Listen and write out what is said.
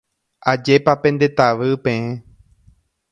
Ajépa pendetavy peẽ.